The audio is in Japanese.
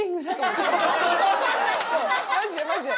マジでマジで。